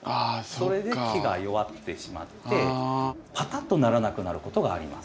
それで木が弱ってしまってパタッとならなくなることがあります。